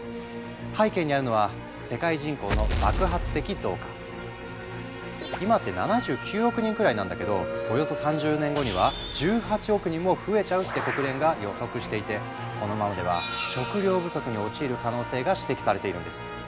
背景にあるのは今って７９億人くらいなんだけどおよそ３０年後には１８億人も増えちゃうって国連が予測していてこのままでは食糧不足に陥る可能性が指摘されているんです。